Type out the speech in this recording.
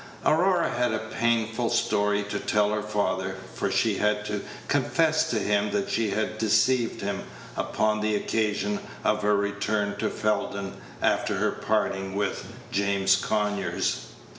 Aurora had a painful story to tell her father, for she had to confess to him that she had deceived him upon the occasion of her return to Felden after her parting with James Conyers.